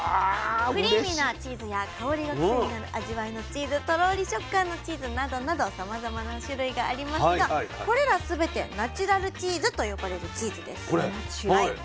クリーミーなチーズや香りが癖になる味わいのチーズトロリ食感のチーズなどなどさまざまな種類がありますがこれら全て「ナチュラルチーズ」と呼ばれるチーズです。